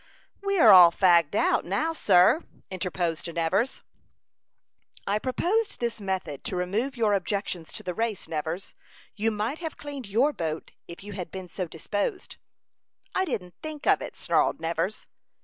"We are all fagged out, now, sir," interposed Nevers. "I proposed this method to remove your objections to the race, Nevers. You might have cleaned your boat, if you had been so disposed." "I didn't think of it," snarled Nevers.